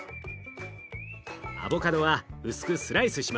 アボカドは薄くスライスします。